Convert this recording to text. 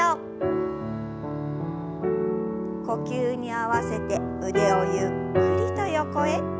呼吸に合わせて腕をゆっくりと横へ。